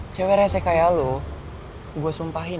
cewe rese kayak lo gua sumpahin